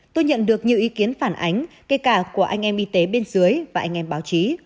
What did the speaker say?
tôi nhận được nhiều ý kiến phản ánh kể cả của anh em y tế bên dưới và anh em báo chí